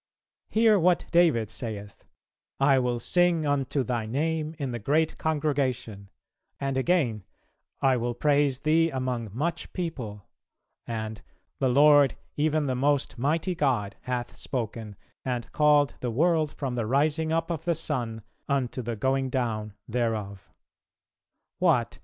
... Hear what David saith, 'I will sing unto Thy name in the great congregation;' and again, 'I will praise Thee among much people;' and 'the Lord, even the most mighty God, hath spoken, and called the world from the rising up of the sun unto the going down thereof.' What!